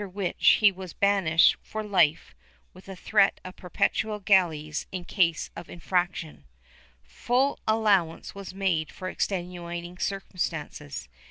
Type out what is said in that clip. IV 21 322 BIGAMY [Book VIII which he was banished for life, with a threat of perpetual galleys in case of infraction.^ Full allowance was made for extenuating circumstances.